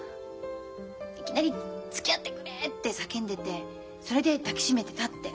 いきなり「つきあってくれ」って叫んでてそれで抱き締めてたって。